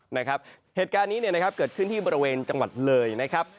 นะครับเหตุการณ์นี้นะครับเกิดขึ้นที่บริเวณจังหวัดเลยนะครับ